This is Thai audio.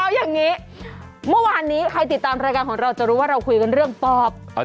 เอาอย่างนี้เมื่อวานนี้ใครติดตามรายการของเราจะรู้ว่าเราคุยกันเรื่องปอบ